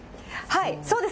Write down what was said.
そうです。